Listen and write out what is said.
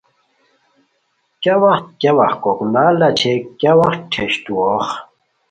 کیا وت کیا وت کوکنار لا چھئے کیاوت ٹھیشٹوؤغ